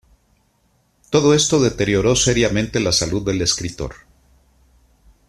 Todo esto deterioró seriamente la salud del escritor.